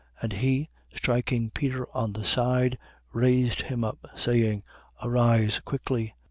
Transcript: And he, striking Peter on the side, raised him up, saying: Arise quickly.